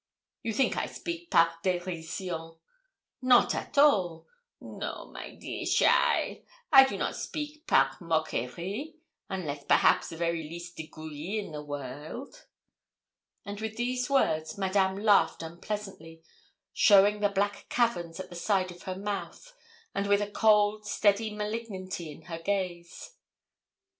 You think I speak par dérision; not at all. No, my dear cheaile, I do not speak par moquerie, unless perhaps the very least degree in the world.' And with these words Madame laughed unpleasantly, showing the black caverns at the side of her mouth, and with a cold, steady malignity in her gaze.